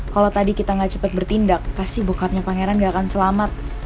kalau tadi kita gak cepet bertindak pasti bokapnya pangeran gak akan selamat